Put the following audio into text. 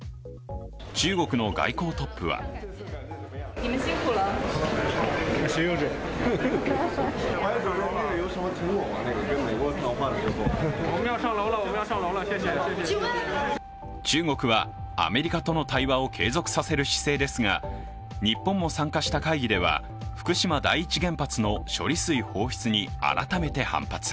中国の外交トップは中国はアメリカとの対話を継続させる姿勢ですが、日本も参加した会議では福島第一原発の処理水放出に改めて反発。